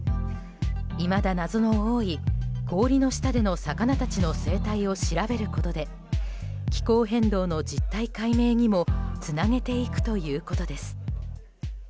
いまだ、謎の多い氷の下の魚たちの生態を調べることで気候変動の実態解明にもつなげていくということです。